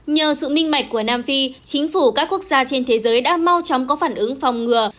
nhờ sự minh mạch của nam phi chính phủ các quốc gia trên thế giới đã mau chóng có phản ứng phòng ngừa